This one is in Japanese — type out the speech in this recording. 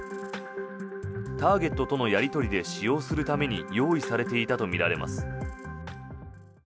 ターゲットとのやり取りで使用するために用意されていたとみられます。